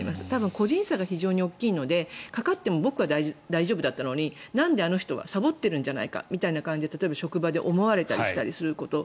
個人差が非常に大きいのでかかっても僕は大丈夫だったのになんであの人はサボってるんじゃないかみたいな感じで例えば職場で思われたりすること。